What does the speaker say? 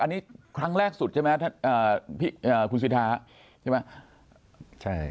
อันนี้ครั้งแรกสุดใช่ไหมอ่าพี่อ่าคุณสิทธาใช่ไหมใช่